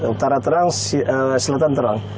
utara terang selatan terang